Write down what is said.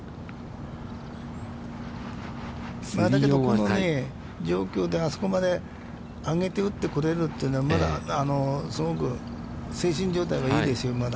だけど、この状況であそこまで上げて打ってこれるというのは、まだすごく精神状態がいいですよ、まだ。